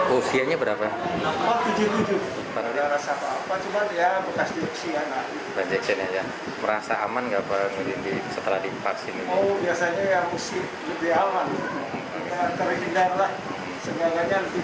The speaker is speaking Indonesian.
oh biasanya ya lusi lebih aman keringin darah sebagainya lebih kebal